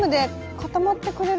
固まってる。